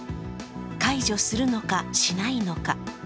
解除するのか、しないのか。